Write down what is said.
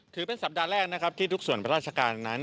ถือเป็นสัปดาห์แรกนะครับที่ทุกส่วนราชการนั้น